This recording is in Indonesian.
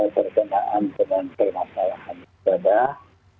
terkenaan dengan permasalahan ibadah